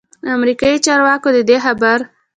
امریکايي چارواکو ددې خبر